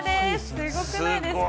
すごくないですか。